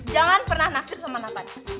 jangan pernah naksir sama nathan